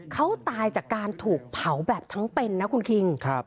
เขาตายจากการถูกเผาแบบทั้งเป็นนะคุณคิง